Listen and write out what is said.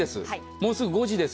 もうすぐ５時です。